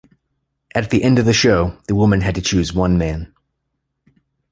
At the end of the show, the woman had to choose one man.